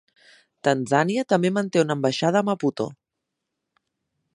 Tanzània també manté una ambaixada a Maputo.